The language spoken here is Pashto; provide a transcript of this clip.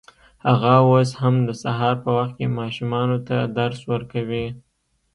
هغه اوس هم د سهار په وخت کې ماشومانو ته درس ورکوي